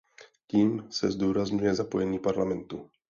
Tím se zdůvodňuje zapojení Parlamentu.